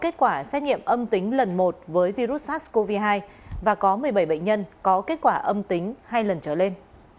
kết quả xét nghiệm âm tính lần một với virus sars cov hai và có một mươi bảy bệnh nhân có kết quả âm tính hai lần trở lên